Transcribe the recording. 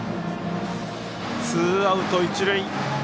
ツーアウト、一塁。